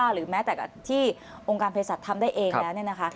หรือแม้แต่ที่องค์การเภสัตว์ทำได้เองแล้ว